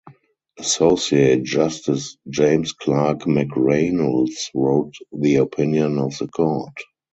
Associate Justice James Clark McReynolds wrote the opinion of the Court.